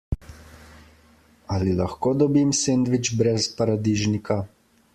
Ali lahko dobim sendvič brez paradižnika?